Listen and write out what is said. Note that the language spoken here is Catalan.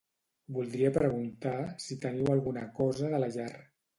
Voldria preguntar si teniu alguna cosa de la llar.